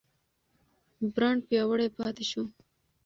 برانډ پیاوړی پاتې شو.